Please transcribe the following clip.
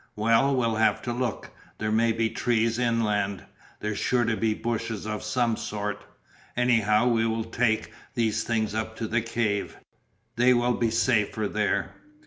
"Well, we'll have to look there may be trees inland there's sure to be bushes of some sort anyhow we will take these things up to the cave, they will be safer there."